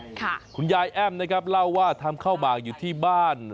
คุณยายแอ้มนะครับเล่าว่าทำข้าวหมากอยู่ที่บ้าน